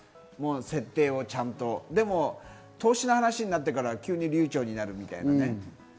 設定をちゃんと投資の話になってから急に流暢になるみたいなね。